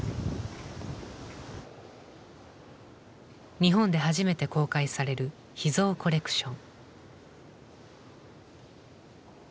日本で初めて公開される秘蔵コレクション。